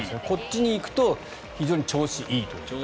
こっちに行くと非常に調子いいという。